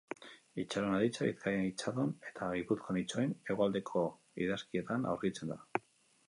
Itxaron aditza, Bizkaian itxadon eta Gipuzkoan itxoin, Hegoaldeko idazkietan aurkitzen da.